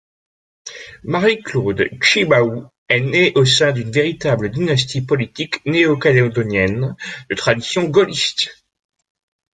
Marie-Claude Tjibaou est née au sein d'une véritable dynastie politique néo-calédonienne, de tradition gaulliste.